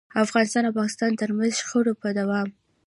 افغانستان او پاکستان ترمنځ د شخړو په دوام.